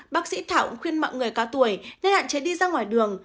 bác sĩ thảo khuyên mọi người cao tuổi nên hạn chế đi ra ngoài đường